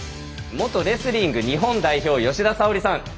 元レスリング日本代表吉田沙保里さん。